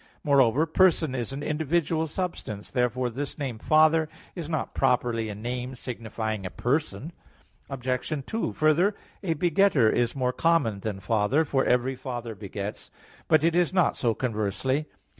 Moreover "person" is an individual substance. Therefore this name "Father" is not properly a name signifying a Person. Obj. 2: Further, a begetter is more common than father; for every father begets; but it is not so conversely.